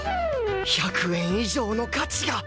１００円以上の価値が！